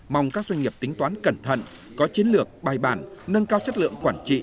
mong các doanh nghiệp tính toán cẩn thận có chiến lược bài bản nâng cao chất lượng quản trị